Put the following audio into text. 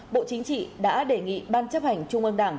bộ chính trị đã đề nghị ban chấp hành trung ương đảng